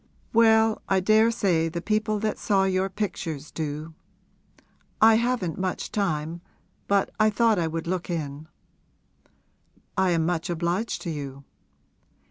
'Well, I daresay the people that saw your pictures do! I haven't much time, but I thought I would look in.' 'I am much obliged to you.'